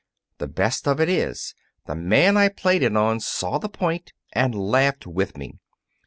The best of it is the man I played it on saw the point and laughed with me.